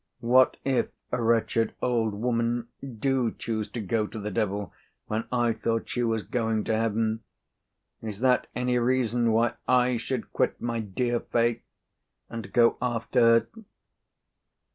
What if a wretched old woman do choose to go to the devil when I thought she was going to heaven: is that any reason why I should quit my dear Faith and go after her?"